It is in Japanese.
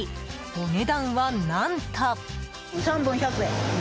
お値段は何と。